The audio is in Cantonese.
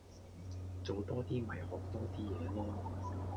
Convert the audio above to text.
做多啲咪學多啲野囉